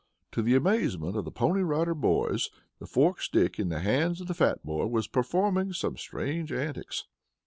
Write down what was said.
To the amazement of the Pony Rider Boys, the forked stick in the hands of the fat boy was performing some strange antics.